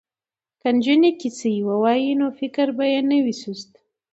که نجونې چیستان ووايي نو فکر به نه وي سست.